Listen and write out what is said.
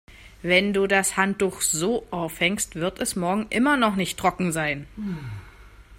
Wenn du das Handtuch so aufhängst, wird es morgen immer noch nicht trocken sein.